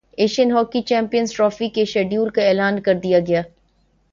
Asian hockey champions trophy کے schedule کا اعلان کردیا گیا